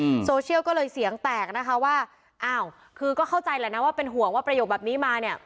อืมโซเชียลก็เลยเสียงแตกนะคะว่าอ้าวคือก็เข้าใจแหละนะว่าเป็นห่วงว่าประโยคแบบนี้มาเนี้ย